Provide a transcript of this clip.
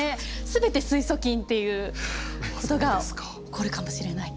すべて水素菌っていうことが起こるかもしれない。